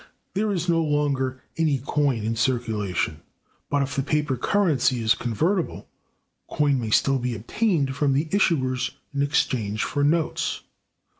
There is no longer any coin in circulation; but, if the paper currency is convertible, coin may still be obtained from the issuers in exchange for notes.